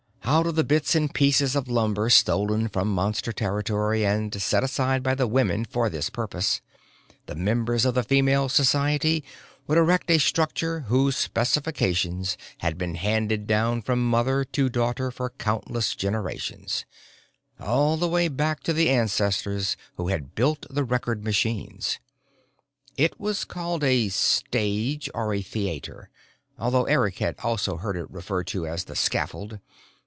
Out of the bits and pieces of lumber stolen from Monster territory and set aside by the women for this purpose, the members of the Female Society would erect a structure whose specifications had been handed down from mother to daughter for countless generations all the way back to the ancestors who had built the Record Machines. It was called a Stage or a Theater, although Eric had also heard it referred to as The Scaffold.